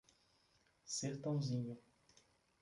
Sertãozinho